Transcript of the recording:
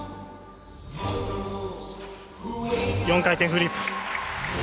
４回転フリップ。